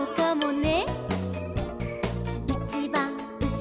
「ね！」